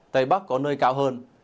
tây bắc có nơi cao hơn